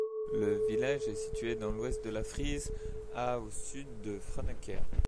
Le village est situé dans l'ouest de la Frise, à au sud de Franeker.